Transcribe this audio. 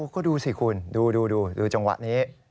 ก็ดูสิคุณดูจังหวะนี้